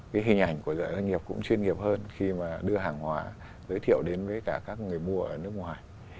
cái hình ảnh của doanh nghiệp cũng chuyên nghiệp hơn khi mà đưa hàng hóa giới thiệu đến với cả các người mua ở nước ngoài